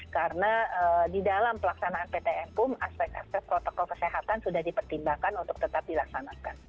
karena di dalam pelaksanaan ptn pun aspek aspek protokol kesehatan sudah dipertimbangkan untuk tetap dilaksanakan